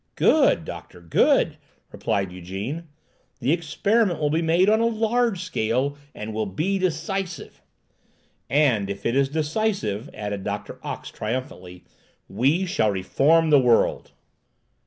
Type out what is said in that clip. "Good, doctor, good!" replied Ygène. "The experiment will be made on a large scale, and will be decisive." "And if it is decisive," added Doctor Ox triumphantly, "we shall reform the world!"